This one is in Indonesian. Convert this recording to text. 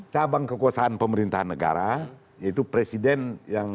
cabang kekuasaan pemerintahan negara yaitu presiden yang